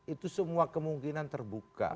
itu semua kemungkinan terbuka